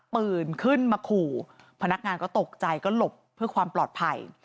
ปืนขึ้นมาขู่พนักงานก็ตกใจก็หลบเพื่อความปลอดภัย